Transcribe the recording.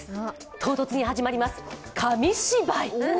唐突に始まります、紙芝居。